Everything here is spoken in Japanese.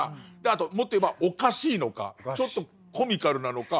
あともっと言えばおかしいのかちょっとコミカルなのか。